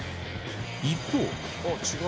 一方。